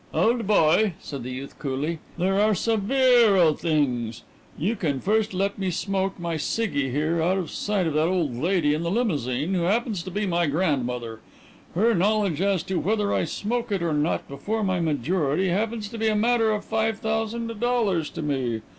"Old boy," said the youth coolly, "there are seveereal things. You can first let me smoke my ciggy in here out of sight of that old lady in the limousine, who happens to be my grandmother. Her knowledge as to whether I smoke it or not before my majority happens to be a matter of five thousand dollars to me.